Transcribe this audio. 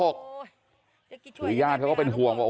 คือยายเขาก็เป็นห่วงว่า